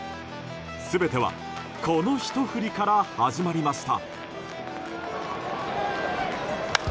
全ては、このひと振りから始まりました。